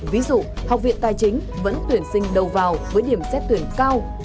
ví dụ học viện tài chính vẫn tuyển sinh đầu vào với điểm xét tuyển cao